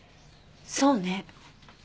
そうね。